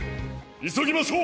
いそぎましょう！